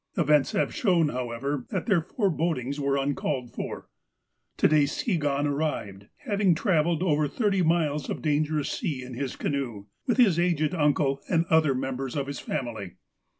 Events have shown, however, that their forebodings were uncalled for. To day Skigahn arrived, having travelled over thirty miles of dangerous sea in his canoe, with his aged uncle and other members of his family.